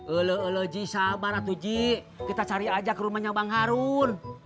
eluh eluh ji sabar atuh ji kita cari aja ke rumahnya bang harun